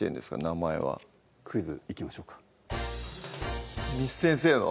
名前はクイズいきましょうか簾先生の？